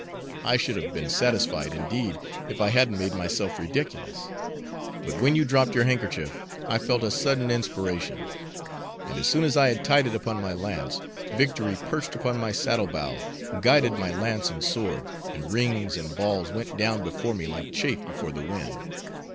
I should have been satisfied, indeed, if I hadn't made myself ridiculous; but when you dropped your handkerchief, I felt a sudden inspiration; and as soon as I had tied it upon my lance, victory perched upon my saddle bow, guided my lance and sword, and rings and balls went down before me like chaff before the wind.